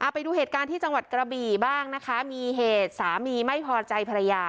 ไปดูเหตุการณ์ที่จังหวัดกระบี่บ้างนะคะมีเหตุสามีไม่พอใจภรรยา